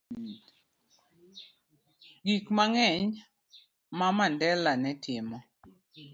Gik mang'eny ma Mandela ne timo